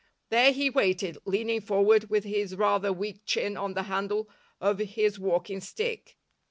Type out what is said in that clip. There he waited, leaning forward with his rather weak chin on the handle of his walking stick.